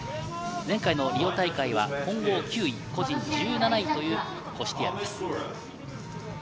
前回のリオ大会は混合９位、個人１７位というコシュティアルです。